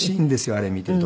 あれ見ていると。